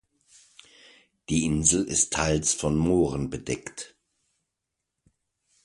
Die Insel ist teils von Mooren bedeckt.